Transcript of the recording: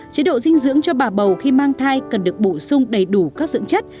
chế độ dinh dưỡng cho bà bầu khi mang thai cần được bổ sung đầy đủ các dưỡng chất